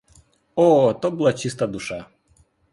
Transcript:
О, то була чиста душа!